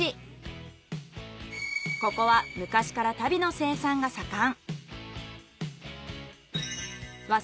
ここは昔から足袋の生産が盛ん。